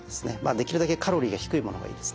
できるだけカロリーが低いものがいいですね